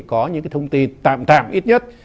có những cái thông tin tạm tạm ít nhất